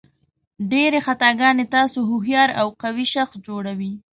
ډېرې خطاګانې تاسو هوښیار او قوي شخص جوړوي.